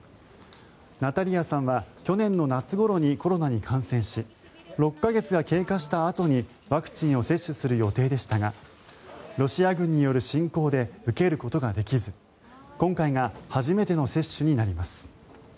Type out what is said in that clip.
ナタリアさんは去年の夏ごろにコロナに感染し６か月が経過したあとにワクチンを接種する予定でしたがロシア軍による侵攻で受けることができず今回が初めての接種になります。